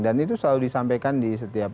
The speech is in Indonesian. dan itu selalu disampaikan di setiap